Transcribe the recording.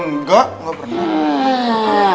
nggak nggak pernah